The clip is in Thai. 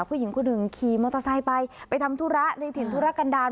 ผู้หญิงคนหนึ่งขี่มอเตอร์ไซค์ไปไปทำธุระในถิ่นธุรกันดาล